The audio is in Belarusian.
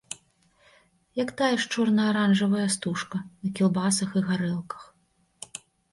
Як тая ж чорна-аранжавая стужка на кілбасах і гарэлках.